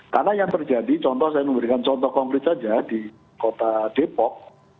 karena yang terjadi contoh saya memberikan contoh konkret saja di kota depok